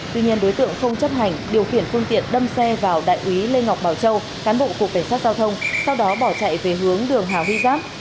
tuy nhiên đối tượng không chấp hành điều khiển phương tiện đâm xe vào đại úy lê ngọc bảo châu cán bộ cục cảnh sát giao thông sau đó bỏ chạy về hướng đường hà huy giáp